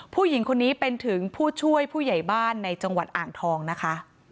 ผู้หญิงคนนี้เป็นถึงผู้ช่วยผู้ใหญ่บ้านในจังหวัดอ่างทองนะคะ